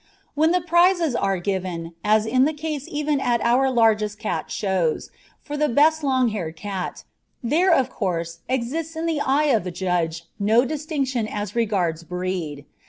When the prizes are given, as is the case even at our largest cat shows, for the best long haired cat, there, of course, exists in the eye of the judge no distinction as regards breed.